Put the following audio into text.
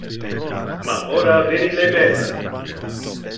Ma ora veni le belle!